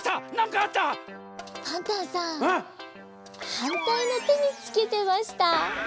はんたいのてにつけてました。